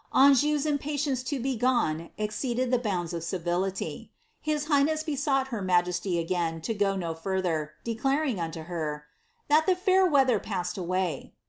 Anjoa's impatience to be gone exceeded the boands of civility. His highness besonght her majesty igiin to go no further, declaring nnto her ^ that the fair weather pawed away.''